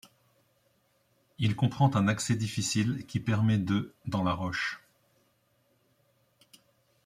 Il comprend un accès difficile qui permet de dans la roche.